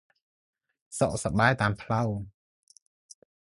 សុខសប្បាយតាមផ្លូវ។